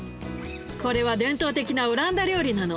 これは伝統的なオランダ料理なの。